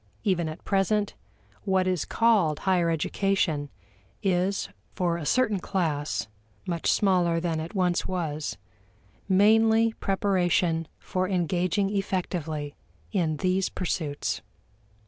Even at present, what is called higher education is for a certain class (much smaller than it once was) mainly preparation for engaging effectively in these pursuits.